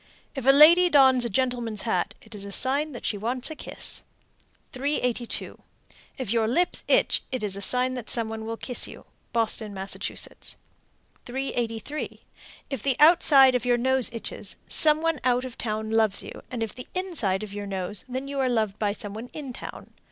If a lady dons a gentleman's hat, it is a sign that she wants a kiss. 382. If your lips itch, it is a sign some one will kiss you. Boston, Mass. 383. If the outside of your nose itches, some one out of town loves you, and if the inside of your nose, then you are loved by some one in town.